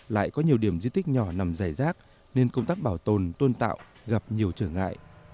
lại có nhiều điểm di tích nhỏ nằm giải rác nên công tác bảo tồn tôn tạo gặp nhiều trở ngại